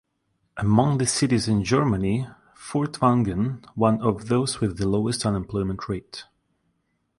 Among the cities in Germany Furtwangen one of those with the lowest unemployment rate.